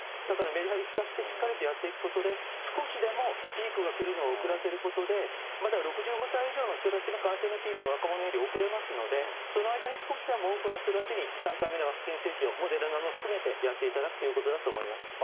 だからメリハリ利かせて、しっかりとやっていくことで、少しでもピークが来るのを遅らせることで、まだ６５歳以上の人たちの感染のピークは若者より遅れますので、その間に少しでも多くの人たちに、３回目のワクチン接種を、モデルナも含めてやっていただくということだと思います。